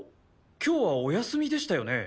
今日はお休みでしたよね？